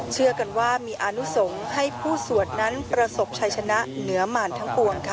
เชื่อกันว่ามีอานุสงฆ์ให้ผู้สวดนั้นประสบชัยชนะเหนือหมานทั้งปวงค่ะ